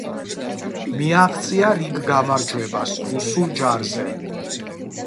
მიაღწია რიგ გამარჯვებას რუსულ ჯარზე.